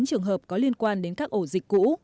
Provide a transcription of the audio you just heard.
bốn trường hợp có liên quan đến các ổ dịch cũ